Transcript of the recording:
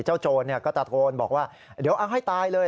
โจรก็ตะโกนบอกว่าเดี๋ยวเอาให้ตายเลย